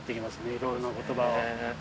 いろんな言葉を。